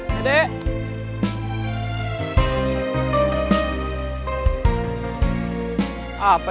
tidak jadi babak